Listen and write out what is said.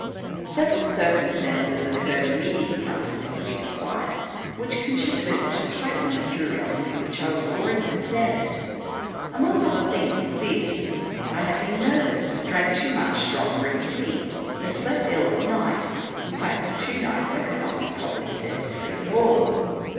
Several circumstances occurred immediately after this fit of Wyatt's which contributed to heighten the curiosity with which I was already possessed. Among other things, this: I had been nervous — drank too much strong green tea, and slept ill at night — in fact, for two nights I could not be properly said to sleep at all.